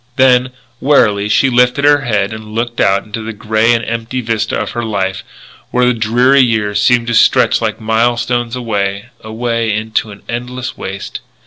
Then, wearily, she lifted her head and looked out into the grey and empty vista of her life, where the dreary years seemed to stretch like milestones away, away into an endless waste.